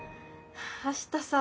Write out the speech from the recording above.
明日さ